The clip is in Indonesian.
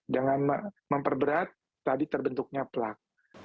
dengan memperberat tadi terbentuknya plak